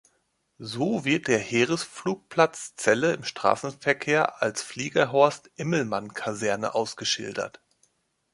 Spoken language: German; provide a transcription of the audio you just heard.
So wird der Heeresflugplatz Celle im Straßenverkehr als „Fliegerhorst Immelmann-Kaserne“ ausgeschildert.